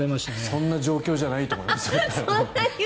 そんな状況じゃないと思いますよ。